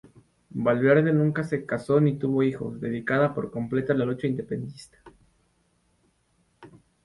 Valverde nunca se casó ni tuvo hijos, dedicada por completo a la lucha independentista.